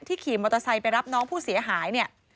ที่ขี่มอเตอร์ไซค์ไปรับน้องผู้เสียหาย